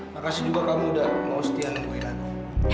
makasih juga kamu udah mau setia nungguin aku